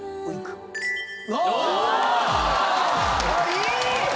いい！